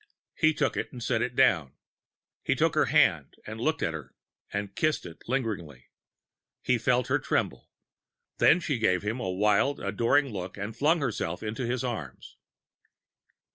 He took it and set it down. He took her hand, looked up at her, and kissed it lingeringly. He felt her tremble. Then she gave him a wild, adoring look and flung herself into his arms.